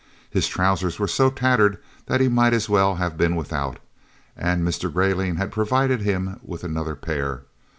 His trousers were so tattered that he might as well have been without, and Mr. Greyling had provided him with another pair.